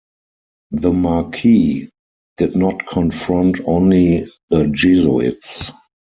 The Marquis did not confront only the Jesuits.